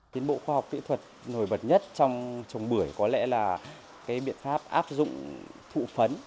tiến bộ khoa học kỹ thuật nổi bật nhất trong trồng bưởi có lẽ là cái biện pháp áp dụng phụ phấn